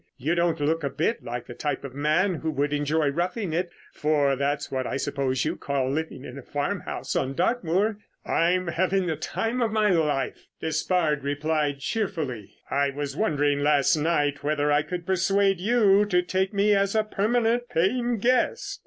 You don't look a bit like the type of man who would enjoy roughing it—for that's what I suppose you call living in a farmhouse on Dartmoor." "I'm having the time of my life," Despard replied cheerfully. "I was wondering last night whether I could persuade you to take me as a permanent paying guest."